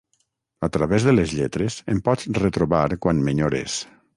A través de les lletres em pots retrobar quan m'enyores...